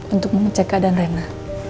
untuk mengecek keadaan rena